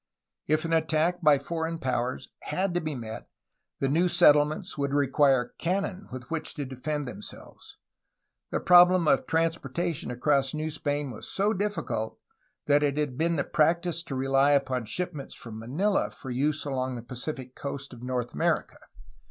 If an attack by foreign powers had to be met, the new settlements would require cannon with which to defend themselves. The problem of transportation across New Spain was so difficult that it had been the practice to rely upon shipments from Manila for use along the Pacific coast of North America.